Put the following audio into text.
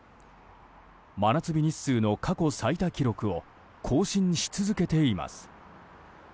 真夏日日数の過去最多記録を更新し続けています。